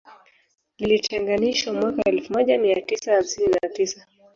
Lilitenganishwa mwaka elfu moja mia tisa hamsini na tisa